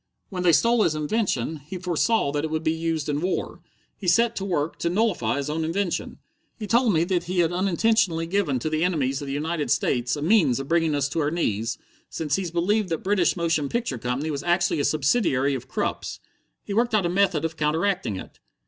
"When they stole his invention, he foresaw that it would be used in war. He set to work to nullify his own invention. He told me that he had unintentionally given to the enemies of the United States a means of bringing us to our knees, since he believed that British motion picture company was actually a subsidiary of Krupp's. He worked out a method of counteracting it."